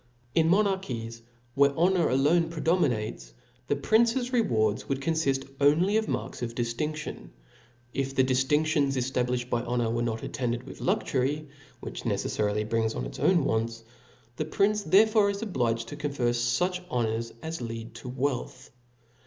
In monarchies, where honor alone J)reda minates, the prince's rewards would confift only of marks of diftmftidn, if the diftiridions eftablifhed by honor were not attended with luxury, which , necefTarily brings on its wants : the prince there . fore is obliged to confer fuch honors as lead €p wealth.